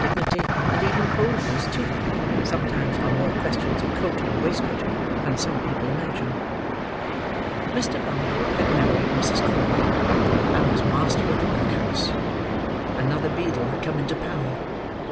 Dignity, and even holiness too, sometimes, are more questions of coat and waistcoat than some people imagine. Mr. Bumble had married Mrs. Corney, and was master of the workhouse. Another beadle had come into power.